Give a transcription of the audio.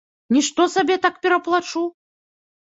Нішто сабе так пераплачу!